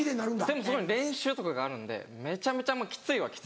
でもそこに練習とかがあるんでめちゃめちゃきついはきつい。